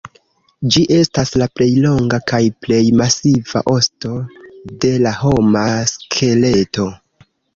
Ĝi estas la plej longa kaj plej masiva osto de la homa skeleto.